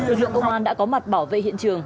lực lượng công an đã có mặt bảo vệ hiện trường